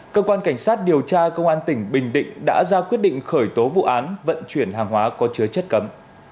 cơ quan cảnh sát điều tra công an tỉnh bình định đã ra quyết định khởi tố vụ án vận chuyển hàng hóa có chứa chất cấm